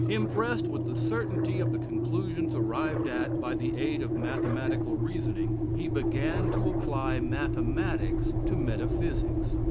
Impressed with the certainty of the conclusions arrived at by the aid of mathematical reasoning, he began to apply mathematics to metaphysics.